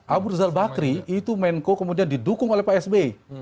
dua ribu sembilan abu rizal bakri itu menko kemudian didukung oleh pak s b